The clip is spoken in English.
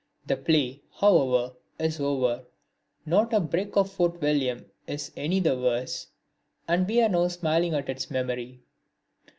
The play, however, is over, not a brick of Fort William is any the worse, and we are now smiling at its memory.